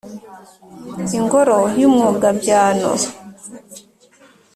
ingoro y’ umwogabyano !